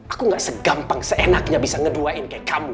aku gak segampang seenaknya bisa ngeduain kayak kamu